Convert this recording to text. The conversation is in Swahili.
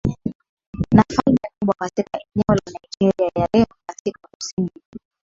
na falme kubwa katika eneo la Nigeria ya leo Katika kusini ni